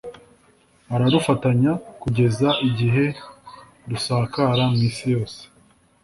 bararufatanya, kugeza igihe rusakara mu isi yose.